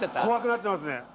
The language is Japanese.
怖くなってますね